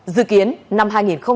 dự kiến năm hai nghìn hai mươi hai